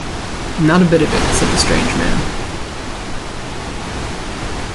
"Not a bit of it," said the strange man.